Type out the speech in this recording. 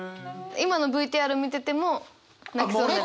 今のＶＴＲ見てても泣きそうになります。